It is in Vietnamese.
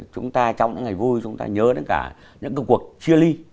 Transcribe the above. chúng ta trong những ngày vui chúng ta nhớ đến cả những cái cuộc chia ly